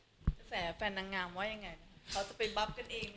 กระแสแฟนนางงามว่ายังไงเขาจะไปบับกันเอง